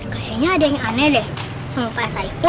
kayaknya ada yang aneh deh sama pak saiful